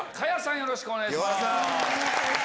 よろしくお願いします。